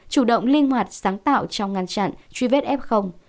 chủ động linh hoạt sáng tạo trong ngăn chặn truy vết ép không